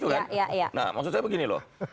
nah maksud saya begini loh